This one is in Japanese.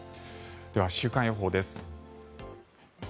では、週間予報です。